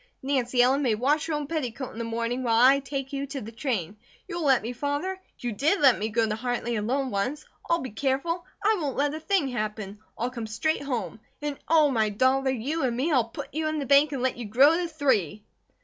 Nancy Ellen may wash her own petticoat in the morning, while I take you to the train. You'll let me, Father? You did let me go to Hartley alone, once. I'll be careful! I won't let a thing happen. I'll come straight home. And oh, my dollar, you and me; I'll put you in the bank and let you grow to three!"